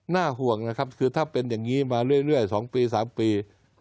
น่าห่วงนะครับคือถ้าเป็นอย่างงี้มาเรื่อยเรื่อยสองปีสามปี